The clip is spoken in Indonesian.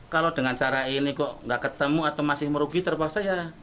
kalau dengan cara ini kok nggak ketemu atau masih merugi terpaksa ya